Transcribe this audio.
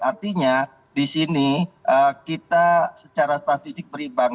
artinya di sini kita secara statistik berimbang